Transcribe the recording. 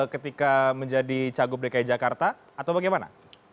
ketika menjadi cagup dki jakarta atau bagaimana